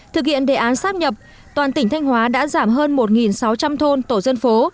thực hiện đề án sắp nhập toàn tỉnh thanh hóa đã giảm hơn một sáu trăm linh thôn tổ dân phố